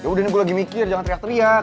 udah nih gue lagi mikir jangan teriak teriak